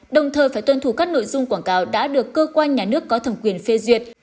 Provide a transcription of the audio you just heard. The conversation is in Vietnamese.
đồng thời phải tuân thủ các nội dung quảng cáo đã được cơ quan nhà nước có thẩm quyền phê duyệt